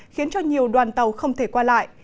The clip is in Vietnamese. khiến cho nhiều đoàn tàu không thể qua lại